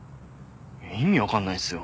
意味分かんないっすよ。